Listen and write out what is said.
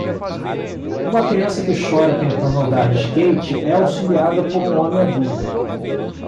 Uma criança que chora tentando andar de skate é auxiliada por um homem adulto.